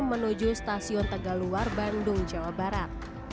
menuju stasiun tegaluar bandung jawa barat